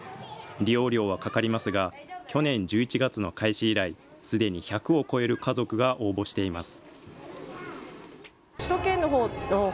利用料はかかりますが、去年１１月の開始以来、すでに１００を超える家族が応募しています。